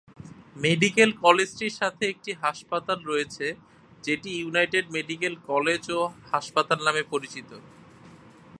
Medical কলেজটির সাথে একটি হাসপাতাল রয়েছে যেটি ইউনাইটেড মেডিকেল কলেজ ও হাসপাতাল নামে পরিচিত।